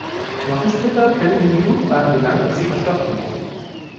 Knochensplitter können in die Blutbahnen gelangen und sie verstopfen.